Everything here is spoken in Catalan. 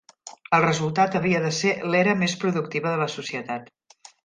El resultat havia de ser l'era més productiva de la societat.